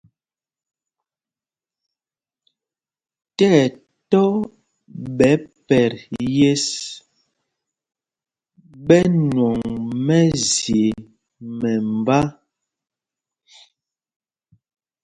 Ti ɛtɔ́ ɓɛ̌ pɛt yes ɓɛ nwɔŋ mɛzye mɛmbá.